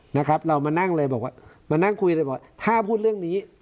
นะครับเรามานั่งเลยบอกว่ามานั่งคุยเลยบอกถ้าพูดเรื่องนี้